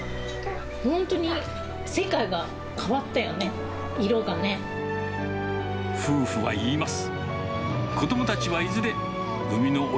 本当に世界が変わったよね、夫婦は言います。